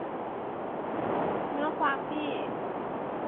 เนื้อความที่